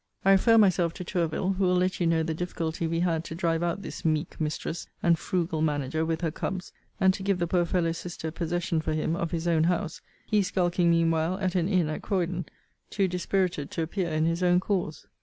I refer myself to Tourville, who will let you know the difficulty we had to drive out this meek mistress, and frugal manager, with her cubs, and to give the poor fellow's sister possession for him of his own house; he skulking mean while at an inn at Croydon, too dispirited to appear in his own cause.